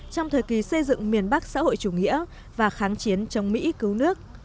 trong thời kỳ xây dựng miền bắc xã hội chủ nghĩa và kháng chiến chống mỹ cứu nước